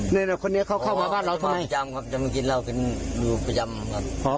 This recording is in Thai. นี่นะคนนี้เขาเข้ามาบ้านเราทำไมอ๋อกินเหล้ากันอยู่ประจำครับ